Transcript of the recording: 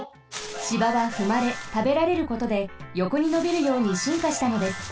芝はふまれたべられることでよこにのびるようにしんかしたのです。